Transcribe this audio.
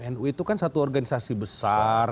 nu itu kan satu organisasi besar